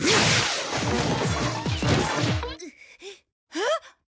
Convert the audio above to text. えっ！？